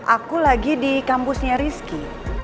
aku lagi di kampusnya rizky